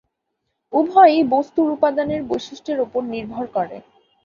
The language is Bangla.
উভয়ই বস্তুর উপাদানের বৈশিষ্ট্যের উপর নির্ভর করে।